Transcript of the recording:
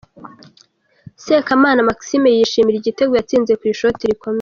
Sekamana Maxime yishimira igitego yatsinze ku ishoti rikomeye.